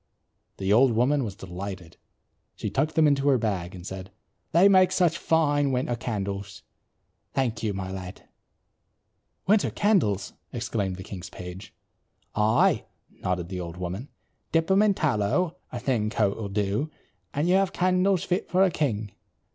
The old woman was delighted. She tucked them into her bag and said, "They make such fine winter candles. Thank you, my lad." "Winter candles!" exclaimed the king's page. "Aye," nodded the old woman. "Dip them in tallow, a thin coat will do and you have candles fit for a king.